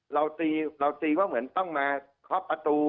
เราตีว่าเหมือนก็ต้องมาคอบประตู